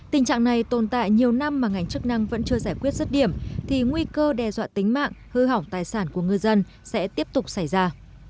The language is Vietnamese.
tình trạng này tồn tại nhiều năm mà ngành chức năng vẫn chưa giải quyết rất điểm thì nguy cơ đe dọa tính mạng hư hỏng tài sản của ngư dân sẽ tiếp tục xảy ra